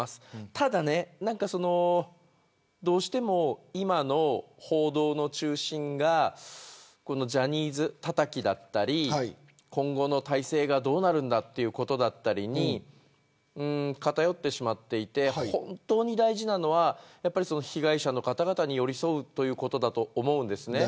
ただ、どうしても今の報道の中心がジャニーズたたきだったり今後の体制がどうなるんだということに偏ってしまっていて本当に大事なのは被害者の方々に寄り添うということだと思うんです。